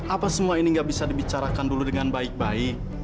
apa semua ini nggak bisa dibicarakan dulu dengan baik baik